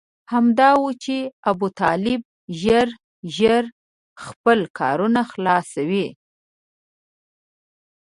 همدا و چې ابوطالب ژر ژر خپل کارونه خلاصوي.